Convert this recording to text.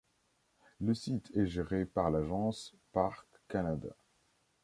Le site est géré par l'agence Parcs Canada.